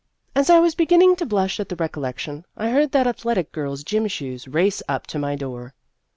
As I was beginning to blush at the recollection, I heard that athletic girl's gym shoes race up to my door.